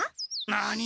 何？